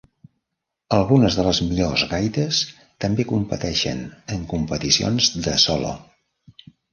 Algunes de les millors gaites també competeixen en competicions de solo.